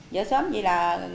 dỡ sớm như là